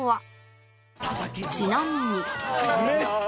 ちなみに